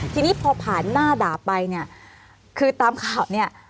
ทีนี้พอผ่านหน้าดาบไปเนี่ยคือตามข่าวเนี่ย